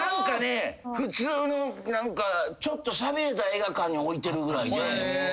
ちょっと寂れた映画館に置いてるぐらいで。